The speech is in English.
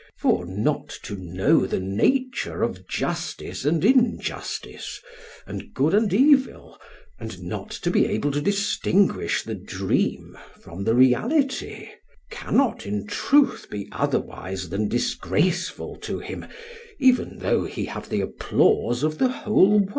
For not to know the nature of justice and injustice, and good and evil, and not to be able to distinguish the dream from the reality, cannot in truth be otherwise than disgraceful to him, even though he have the applause of the whole world.